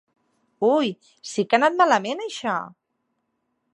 Ui, sí que ha anat malament, això!